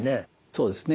そうですね。